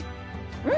うん！